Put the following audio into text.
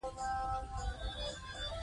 هغه سړی چې راغلی، بل دی.